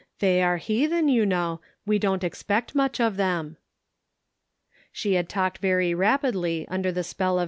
They are heathen, you know we don't expect much of them." She had talked very rapidly under the spell of Measuring Enthusiasm.